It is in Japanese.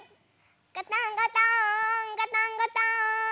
ガタンゴトーンガタンゴトーン！